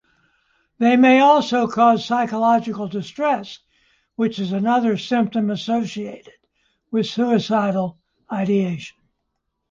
They may also cause psychological distress, which is another symptom associated with suicidal ideation.